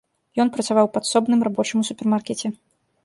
Ён працаваў падсобным рабочым у супермаркеце.